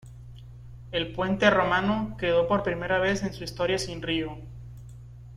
El puente romano quedó por primera vez en su historia sin río.